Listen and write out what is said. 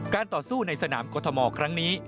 การต่อสู้ในสนามกฎมอล์ครั้งนี้